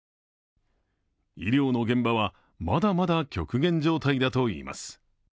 医療の現場はまだまだ極限状態だといいます。